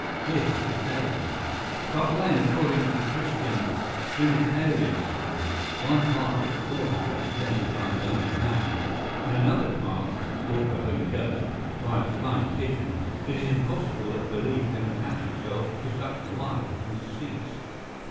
This is deism. But when, according to the Christian Trinitarian scheme, one part of God is represented by a dying man, and another part, called the Holy Ghost, by a flying pigeon, it is impossible that belief can attach itself to such wild conceits.